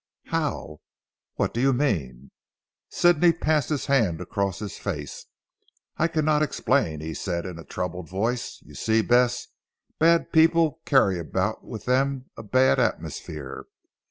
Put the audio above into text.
"How? What do you mean." Sidney passed his hand across his face. "I cannot explain," he said in a troubled voice, "you see Bess, bad people carry about with them a bad atmosphere.